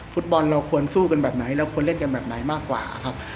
ฟุตบอลเราควรสู้กันแบบไหนเราควรเล่นกันแบบไหนมากกว่าครับ